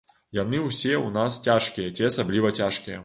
Яны ўсе ў нас цяжкія ці асабліва цяжкія.